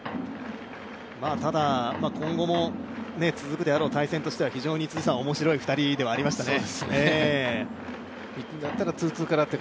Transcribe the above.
今後も続くであろう対戦としては非常に面白い２人ではありましたね。